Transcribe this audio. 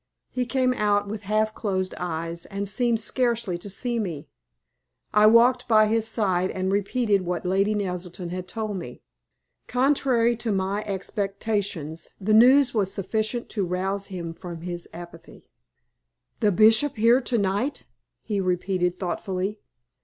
He came out with half closed eyes, and seemed scarcely to see me. I walked by his side, and repeated what Lady Naselton had told me. Contrary to my expectations, the news was sufficient to rouse him from his apathy. "The Bishop here to night!" he repeated, thoughtfully.